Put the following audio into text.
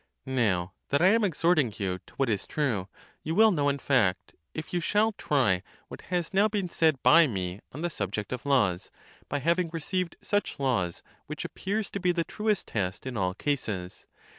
Now that I am exhorting you to what is true, you will know in fact, if you shall try what has now been said by me on the subject of laws, by having received such laws,? which appears to be the truest test in all cases.